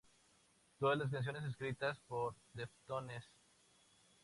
Todas las canciones escritas por Deftones.